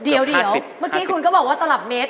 เดี๋ยวเมื่อกี้คุณก็บอกว่าตลับเมตร